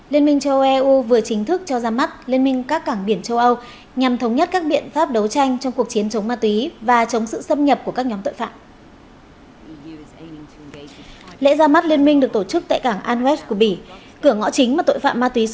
liên minh châu âu vừa chính thức cho ra mắt liên minh các cảng biển châu âu nhằm thống nhất các biện pháp đấu tranh trong cuộc chiến chống ma túy